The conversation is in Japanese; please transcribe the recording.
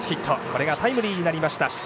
これがタイムリーになりました。